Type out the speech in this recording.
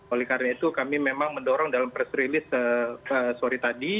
oleh karena itu kami memang mendorong dalam press release